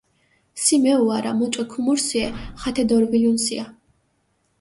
სი მეუ ვარა, მუჭო ქუმურსიე, ხათე დორჸვილუნსია.